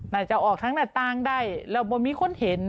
จะออกทั้งหน้าต่างได้แล้วพอมีคนเห็น